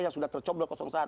yang sudah tercoblok satu